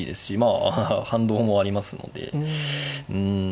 あ反動もありますのでうん。